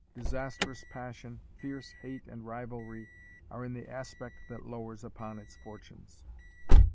Disastrous passion, Fierce hate and rivalry, are in the aspect That lowers upon its fortunes."